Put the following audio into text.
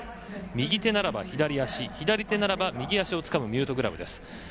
右手ならば左足左手ならば右足をつかむミュートグラブです。